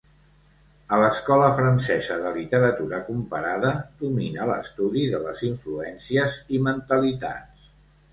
A l'Escola Francesa de Literatura Comparada domina l'estudi de les influències i mentalitats.